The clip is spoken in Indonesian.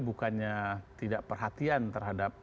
bukannya tidak perhatian terhadap